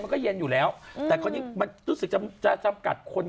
มันก็เย็นอยู่แล้วแต่คราวนี้มันรู้สึกจะจำกัดคน